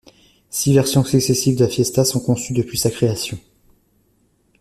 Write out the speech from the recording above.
Six versions successives de la Fiesta sont conçues depuis sa création.